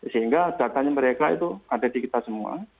sehingga datanya mereka itu ada di kita semua